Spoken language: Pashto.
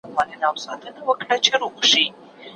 ای ډېر لوړ ږغه، دا پاڼه مه ړنګوه.